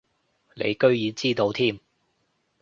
你居然知道添